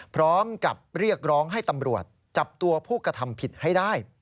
พร้อมกับเรียกร้องให้ตำรวจจับตัวผู้กระทำผิดให้ได้